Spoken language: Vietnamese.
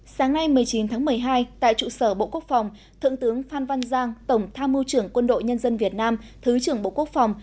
sáng nay một mươi chín tháng một mươi hai tại trụ sở bộ quốc phòng thượng tướng phan văn giang tổng tham mưu trưởng quân đội nhân dân việt nam thứ trưởng bộ quốc phòng